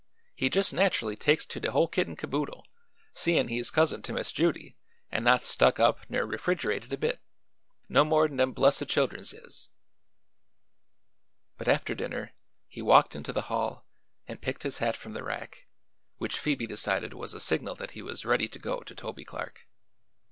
He jus' natcherly takes to de whole kit an' caboodle, seein' he's cousin to Miss Judy an' not stuck up ner refrigerated a bit no more 'n dem blessed child'ns is." But after dinner he walked into the hall and picked his hat from the rack, which Phoebe decided was a signal that he was ready to go to Toby Clark.